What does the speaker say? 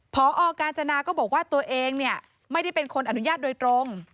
พอกาญจนาก็บอกว่าตัวเองเนี่ยไม่ได้เป็นคนอนุญาตโดยตรง